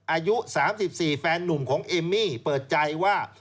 อายุ๓๔แฟนหนุ่มของเอมมี่เปิดใจว่า